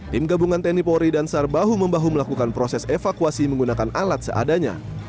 tim gabungan tni polri dan sar bahu membahu melakukan proses evakuasi menggunakan alat seadanya